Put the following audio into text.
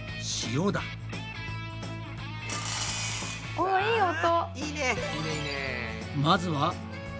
おっいい音。